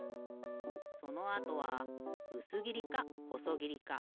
そのあとはうすぎりかほそぎりか。